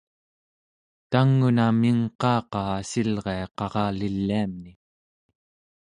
tang una mingqaaqa assirilria qaraliliamni!